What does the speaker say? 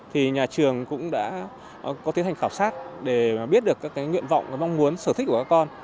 thì nhà trường cũng đã có thể thành khảo sát để biết được các nguyện vọng mong muốn sở thích của các con